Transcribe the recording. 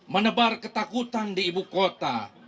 menebar ketakutan di ibu kota